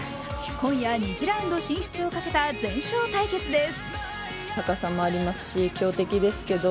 今夜２次ラウンドをかけた全勝対決です。